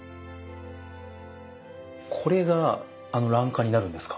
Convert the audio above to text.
これがあの欄干になるんですか？